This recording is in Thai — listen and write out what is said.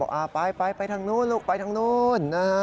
บอกไปไปทางนู้นลูกไปทางนู้น